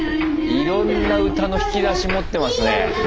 いろんな歌の引き出し持ってますね。